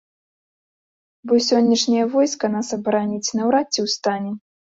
Бо сённяшняе войска нас абараніць наўрад ці ў стане.